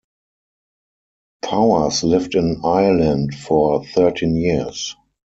Powers lived in Ireland for thirteen years.